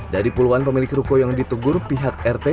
dari puluhan pemilik ruko yang ditegur pihak rt